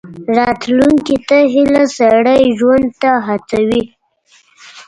راتلونکي ته هیله، سړی ژوند ته هڅوي.